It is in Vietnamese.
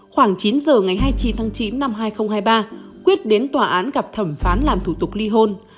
khoảng chín giờ ngày hai mươi chín tháng chín năm hai nghìn hai mươi ba quyết đến tòa án gặp thẩm phán làm thủ tục ly hôn